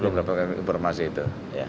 ya saya belum dapatkan informasi itu